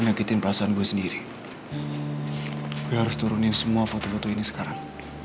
nyakitin perasaan gue sendiri gue harus turunin semua foto foto ini sekarang